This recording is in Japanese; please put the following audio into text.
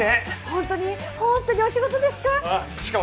本当に本当にお仕事ですか？